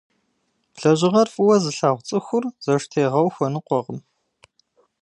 Лэжьыгъэр фӀыуэ зылъагъу цӀыхур зэштегъэу хуэныкъуэкъым.